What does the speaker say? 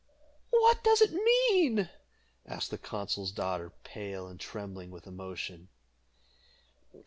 "What does it mean?" asked the consul's daughter, pale and trembling with emotion.